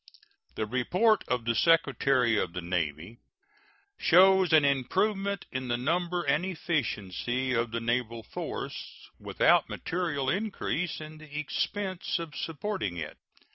The report of the Secretary of the Navy shows an improvement in the number and efficiency of the naval force, without material increase in the expense of supporting it.